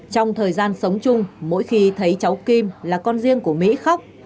trong thời gian sống chung mỗi khi thấy cháu kim là con riêng của mỹ khóc